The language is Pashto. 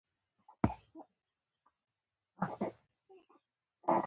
_توابه زويه! د جومات بام ته ور وخېژه!